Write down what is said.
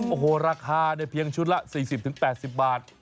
โอ้โหราคาเพียงชุดละ๔๐๘๐บาท